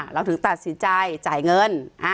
เราถึงตัดสินใจจ่ายเงิน